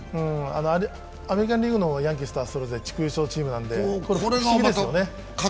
アメリカンリーグの方はヤンキースとそれぞれ地区優勝チームなんで不思議ですよね。